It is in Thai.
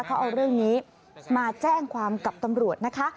เขาเอาเรื่องนี้มาแจ้งความกับตำรวจนะคะ